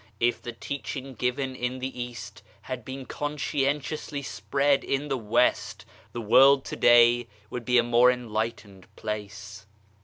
If the teaching given in the East had been conscientiously spread in the West, the world to day would be a more enlightened place.